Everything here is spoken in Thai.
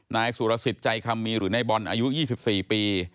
นายสุรสิทธิ์ใจคำมีหรือในบอลอายุ๒๔ปี